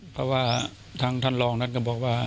เพราะว่าทางท่านรองนั้นก็บอกว่า